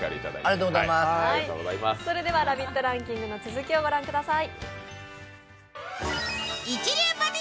「ラヴィット！ランキング」の続きを御覧ください。